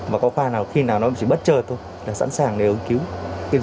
mà có khoa nào khi nào nó chỉ bất chờ thôi là sẵn sàng để cứu